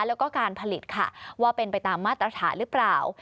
แล้วก็การผลิตค่ะว่าเป็นไปตามมาตรฐานหรือเปล่า